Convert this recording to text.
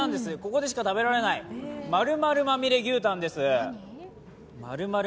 ここでしか食べられない○○まみれ牛たんです。